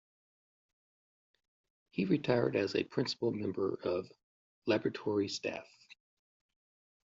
He retired as a Principal Member of Laboratory Staff.